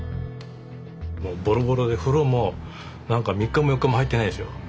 もうボロボロで風呂も３日も４日も入ってないんですよ。